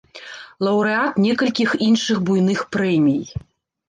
Лаўрэат некалькіх іншых буйных прэмій.